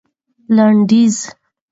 لنډيز